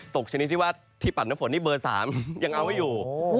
ตกชนิดที่ว่าที่ปัดเมื่อฝนที่เบอร์๓ยังเอาอยู่